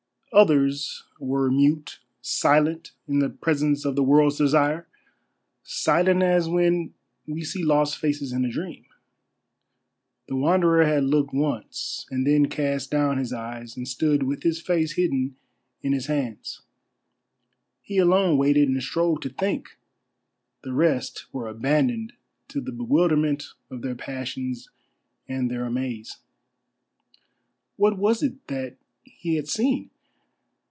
Others were mute, silent in the presence of the World's Desire, silent as when we see lost faces in a dream. The Wanderer had looked once and then cast down his eyes and stood with his face hidden in his hands. He alone waited and strove to think; the rest were abandoned to the bewilderment of their passions and their amaze. What was it that he had seen?